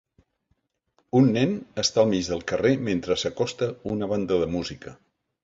Un nen està al mig del carrer mentre s'acosta una banda de música.